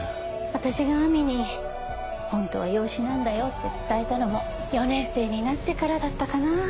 私が亜美に「ホントは養子なんだよ」って伝えたのも４年生になってからだったかなぁ。